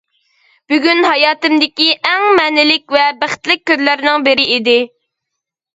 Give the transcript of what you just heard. بۈگۈن ھاياتىمدىكى ئەڭ مەنىلىك ۋە بەختلىك كۈنلەرنىڭ بىرى ئىدى.